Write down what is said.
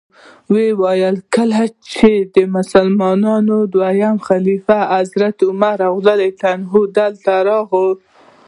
وایي کله چې د مسلمانانو دویم خلیفه حضرت عمر رضی الله عنه دلته راغی.